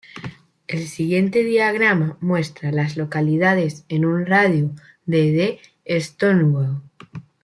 El siguiente diagrama muestra a las localidades en un radio de de Stonewall.